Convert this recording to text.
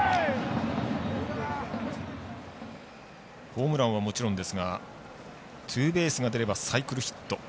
ホームランはもちろんですがツーベースが出ればサイクルヒット。